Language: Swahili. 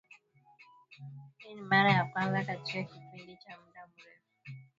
Hii ni mara ya kwanza katika kipindi cha muda mrefu Jeshi la Jamuhuri ya Demokrasia ya Kongo linaishutumu